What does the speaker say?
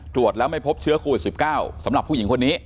ตรวจแล้วไม่พบเชื้อโควิด๑๙สำหรับผู้หญิงคนนี้